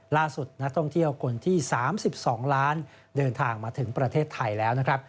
ล่าสุดนักท่องเที่ยวคนที่๓๒ล้านเดินทางมาถึงประเทศไทยแล้วนะครับ